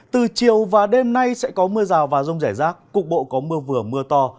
từ chiều và đêm nay sẽ có mưa rào và rông rải rác cục bộ có mưa vừa mưa to